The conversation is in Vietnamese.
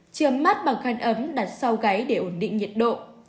chườm mắt bằng khăn ấm đặt sau gáy để ổn định nhiệt độ